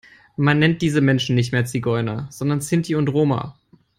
Man nennt diese Menschen nicht mehr Zigeuner, sondern Sinti und Roma.